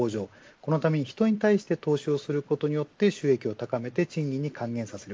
このため、人に対して投資をすることによって収益を高めて賃金に還元させる。